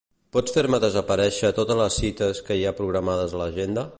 Pots fer-me desaparèixer totes les cites que hi ha programades a l'agenda?